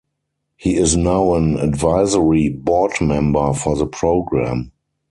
He is now an advisory board member for the program.